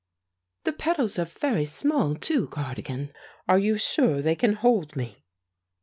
"The pedals are very small too, Cardigan. Are you sure they can hold me?"